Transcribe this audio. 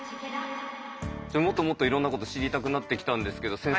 もっともっといろんなこと知りたくなってきたんですけど先生